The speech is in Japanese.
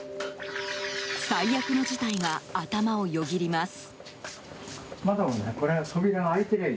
最悪の事態が頭をよぎります。